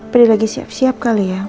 padahal dia lagi siap siap kali ya